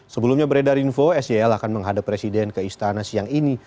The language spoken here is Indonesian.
sebelumnya beredar info sel akan menghadap presiden ke istana siang ini